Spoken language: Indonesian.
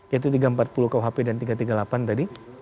yaitu tiga ratus empat puluh kuhp dan tiga ratus tiga puluh delapan tadi